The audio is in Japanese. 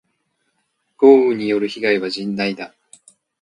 豪雨による被害は甚大だ。